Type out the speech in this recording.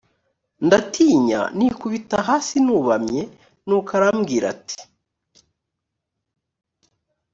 ndatinya nikubita hasi nubamye nuko arambwira ati